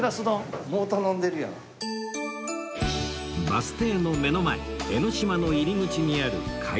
バス停の目の前江の島の入り口にある貝作